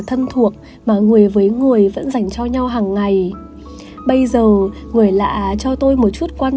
thân thuộc mà người với người vẫn dành cho nhau hàng ngày bây giờ người lạ cho tôi một chút quan